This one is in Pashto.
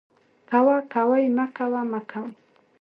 کوه ، کوئ ، مکوه ، مکوئ